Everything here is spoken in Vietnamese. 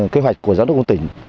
kế hoạch của giám đốc quân tỉnh